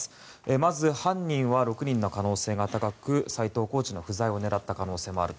まず、犯人は６人の可能性が高く斎藤コーチの不在を狙った可能性もあると。